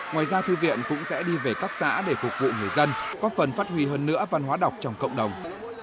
ngoài ra thư viện cũng sẽ đi về các xã để phục vụ người dân có phần phát huy hơn nữa văn hóa đọc trong cộng đồng